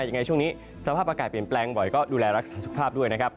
ยังไงช่วงนี้สภาพอากาศเปลี่ยนแปลงบ่อยก็ดูแลรักษาสุขภาพด้วยนะครับ